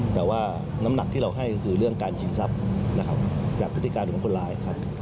แต่ว่าน้ำหนักที่เราให้ก็คือเรื่องการชิงทรัพย์นะครับจากพฤติการของคนร้ายครับ